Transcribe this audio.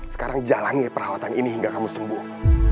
sekarang jalani perawatan ini hingga kamu sembuh